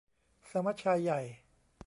สมัชชาใหญ่